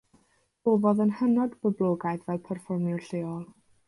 Profodd yn hynod boblogaidd fel perfformiwr lleol.